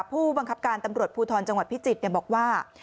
ผู้บังคับการตำรวจภูทรจังหวัดพิจิตรบอกว่า